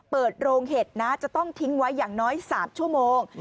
เปิดโรงเห็ดนะจะต้องทิ้งไว้อย่างน้อย๓ชั่วโมง